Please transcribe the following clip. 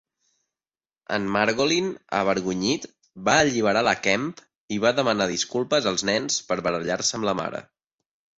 En Margolin, avergonyit, va alliberar la Kemp i va demanar disculpes als nens per barallar-se amb la mare.